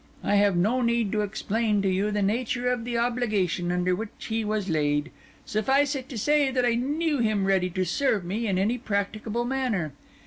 I have no need to explain to you the nature of the obligation under which he was laid; suffice it to say that I knew him ready to serve me in any practicable manner.